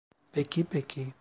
Peki, peki.